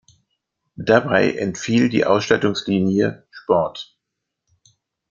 Dabei entfiel die Ausstattungslinie "Sport".